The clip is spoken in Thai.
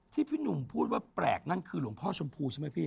ที่พี่หนุ่มพูดว่าแปลกนั่นคือหลวงพ่อชมพูใช่ไหมพี่